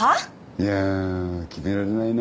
いやぁ決められないな。